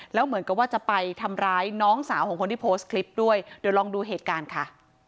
แล้วเหมือนกับว่าจะไปทำร้ายน้องสาวของคนที่โพสต์คลิปด้วยเดี๋ยวลองดูเหตุการณ์ค่ะ